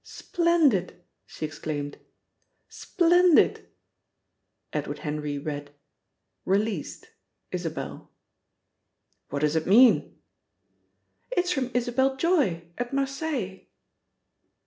"Splendid!" she exclaimed. "Splendid!" Edward Henry read: "Released. Isabel." "What does it mean?" "It's from Isabel Joy at Marseilles."